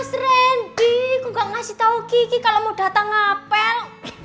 mas rendy kok gak ngasih tau kiki kalau mau datang ngapel